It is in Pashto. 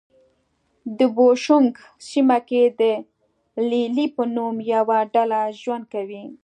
د بوشونګ سیمه کې د لې لې په نوم یوه ډله ژوند کوي.